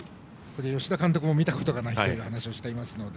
吉田監督も見たことがないと話をしていますので。